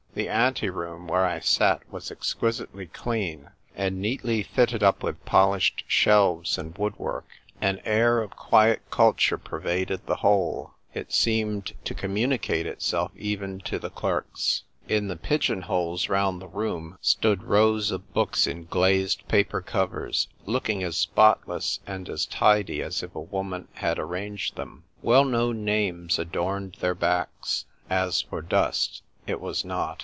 The anteroom where I sat was exquisitely clean, and neatly fitted up with polished shelves and wood work. An air of quiet culture pervaded the whole ; it seemed Il8 THE TYPE WRITER GIRL. to communicate itself even to the clerks. In the pigeon holes round the room stood rows of books in glazed paper covers, looking as spotless and as tidy as if a woman had arranged them. Well known names adorned their backs. As for dust, it was not.